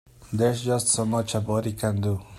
There's just so much a body can do.